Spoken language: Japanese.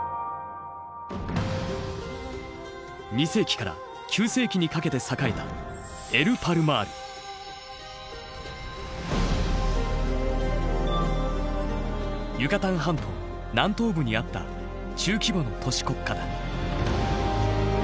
２世紀から９世紀にかけて栄えたユカタン半島南東部にあった中規模の都市国家だ。